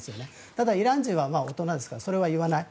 ただ、イラン人は大人ですからそれは言わない。